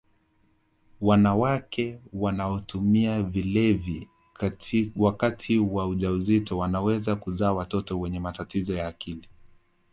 wanawake wanaotumia vilevi wakati wa ujauzito wanaweza kuzaa watoto wenye matatizo ya akili